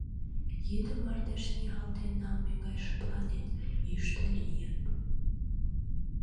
Йӱдым мардеж ниялтен налме гай шыпланен, йӱштӧ лийын.